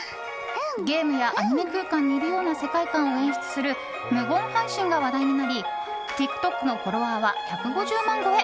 ゲームやアニメ空間にいるような世界観を演出する無言配信が話題となりＴｉｋＴｏｋのフォロワーは１５０万超え。